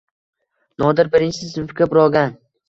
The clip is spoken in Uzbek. Nodir birinchi sinfga brogan